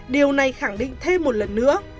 điều này khẳng định thêm một lần nữa